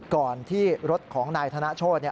ก่อนที่รถของนายธนโชธ